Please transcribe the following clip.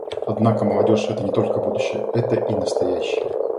Однако молодежь — это не только будущее, это — и настоящее.